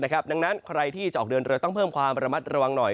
ดังนั้นใครที่จะออกเดินเรือต้องเพิ่มความระมัดระวังหน่อย